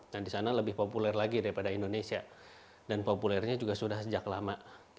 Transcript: di sana lebih populer lagi daripada indonesia dan populernya juga sudah sejak lama